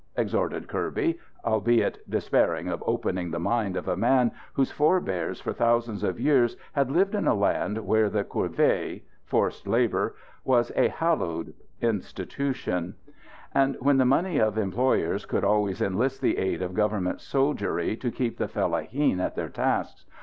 exhorted Kirby; albeit despairing of opening the mind of a man whose forebears for thousands of years had lived in a land where the corvée forced labour was a hallowed institution; and where the money of employers could always enlist the aid of government soldiery to keep the fellaheen at their tasks.